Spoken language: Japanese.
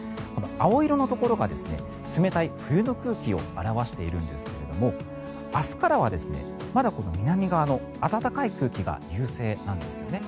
青色のところが冷たい冬の空気を表しているんですが明日からは、まだ南側の暖かい空気が優勢なんですね。